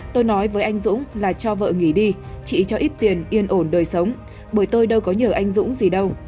tôi nói với anh dũng là cho vợ nghỉ đi chị cho ít tiền yên ổn đời sống bởi tôi đâu có nhờ anh dũng gì đâu